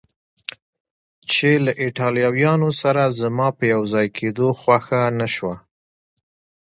چې له ایټالویانو سره زما په یو ځای کېدو خوښه نه شوه.